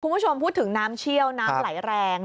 คุณผู้ชมพูดถึงน้ำเชี่ยวน้ำไหลแรง